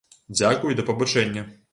Дзякуй і да пабачэння!